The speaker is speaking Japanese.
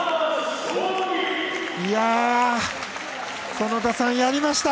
園田さん、やりました。